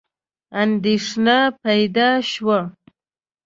اندېښنه پیدا شوه.